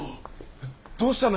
どうしたの？